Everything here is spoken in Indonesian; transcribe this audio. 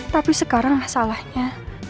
tapi sekarang salahnya